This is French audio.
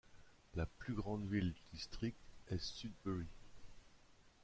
La plus grande ville du district est Sudbury.